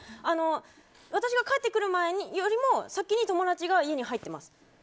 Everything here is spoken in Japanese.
私が帰ってくる前よりも先に友達が家に入っています。